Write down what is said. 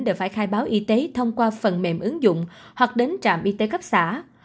đều phải khai báo y tế thông qua phần mềm ứng dụng hoặc đến trạm y tế cấp xã